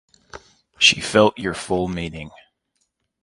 She felt your full meaning.